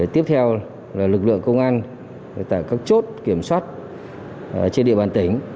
tiếp theo là lực lượng công an tại các chốt kiểm soát trên địa bàn tỉnh